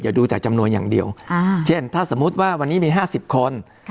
ดูแต่จำนวนอย่างเดียวเช่นถ้าสมมุติว่าวันนี้มี๕๐คน